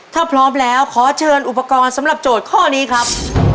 ถ้าพร้อมแล้วขอเชิญอุปกรณ์สำหรับโจทย์ข้อนี้ครับ